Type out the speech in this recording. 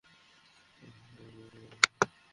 শরীরের দিকে নজর রাখিস।